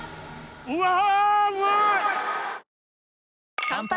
うわ！